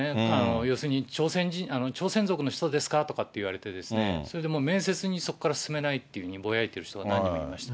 要するに、朝鮮族の人ですか？とかって言われて、それでもう面接にそこから進めないってぼやいてる人が何人もいましたね。